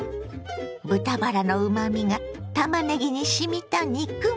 豚バラのうまみがたまねぎにしみた肉巻き。